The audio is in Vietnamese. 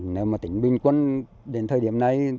nếu mà tỉnh bình quân đến thời điểm này